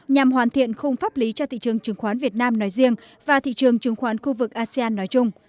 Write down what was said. nhằm hoàn thiện khung pháp lý cho thị trường chứng khoán việt nam nói riêng và thị trường chứng khoán khu vực asean nói chung